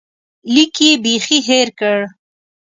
لیک یې بیخي هېر کړ.